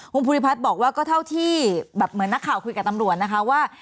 คุณภูริพัฒน์บอกว่าก็เท่าที่แบบเหมือนนักข่าวคุยกับตำรวจนะคะว่า